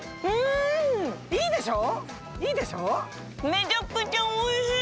めちゃくちゃおいしい！